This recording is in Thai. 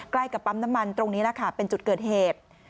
ใกล้กับปั๊มน้ำมันตรงนี้แหละค่ะเป็นจุดเกิดเหตุ